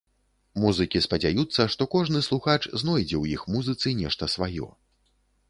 Музыкі спадзяюцца, што кожны слухач знойдзе ў іх музыцы нешта сваё.